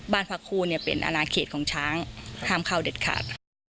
บ้านพักคู่เป็นอนาเขตของช้างห้ามเข้าเด็ดขาด